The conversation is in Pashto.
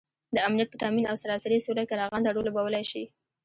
دامنیت په تآمین او سراسري سوله کې رغنده رول لوبوالی شي